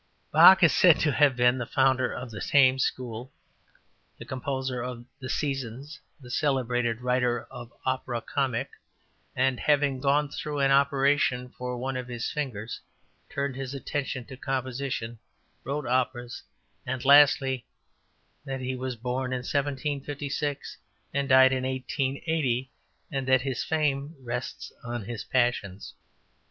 Bach is said to have been the founder of the `Thames School Lipsic,' the composer of the Seasons, the celebrated writer of opera comique, born 16 , and having gone through an operation for one of his fingers, turned his attention to composition, wrote operas, and, lastly, that he was born in 1756, and died 1880, and that his fame rests on his passions.